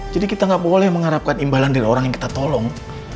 jadi kita nggak boleh mengharapkan imbalan dari orang yang kita tolong